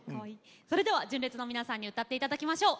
それでは純烈の皆さんに歌って頂きましょう。